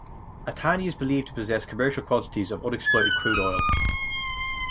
Atani is believed to possess commercial quantities of unexploited crude oil.